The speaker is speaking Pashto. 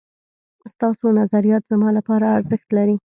ستاسو نظريات زما لپاره ارزښت لري